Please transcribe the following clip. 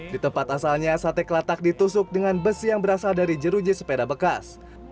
di tempat asalnya sate kelatak ditusuk dengan besi yang berasal dari jeruji sepeda bekas